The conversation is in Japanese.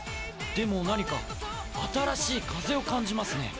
でも何か新しい風を感じますね。